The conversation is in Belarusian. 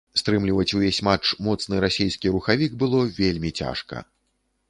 Стрымліваць увесь матч моцны расейскі рухавік было вельмі цяжка.